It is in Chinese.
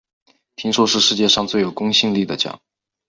听说是世界上最有公信力的奖